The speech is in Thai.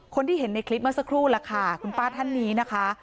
คนที่เห็นในคลิปเมื่อสักครู่ล่ะค่ะคุณป้าท่านนี้นะคะ